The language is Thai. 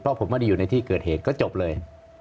เพราะผมไม่ได้อยู่ในที่เกิดเหตุก็จบเลย